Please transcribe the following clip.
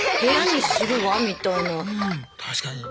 確かに。